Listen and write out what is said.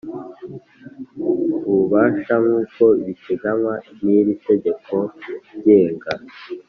Ububasha nk uko biteganywa n iri tegeko ngenga